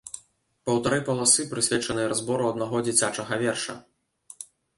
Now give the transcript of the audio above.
Паўтары паласы, прысвечаныя разбору аднаго дзіцячага верша!